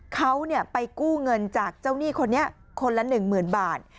เขาไปกู้เงินจากเจ้าหนี้คนนี้คนละ๑๐๐๐บาท